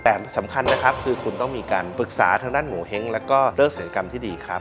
แต่สำคัญนะครับคือคุณต้องมีการปรึกษาทางด้านโงเห้งแล้วก็เลิกศัลยกรรมที่ดีครับ